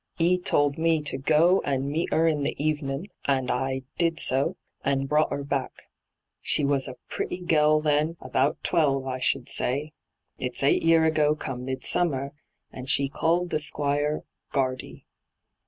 'E told me to go and meet 'er in the evenin', and I did so, and brought 'er back. She was a pretty little gell then, about twelve I should say — it's eight year ago come midsummer — and she called the Squire " Qiiardy."